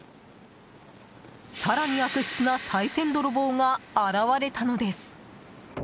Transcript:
更に悪質な、さい銭泥棒が現れたのです。